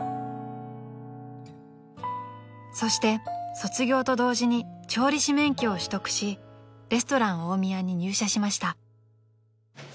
［そして卒業と同時に調理師免許を取得しレストラン大宮に入社しました］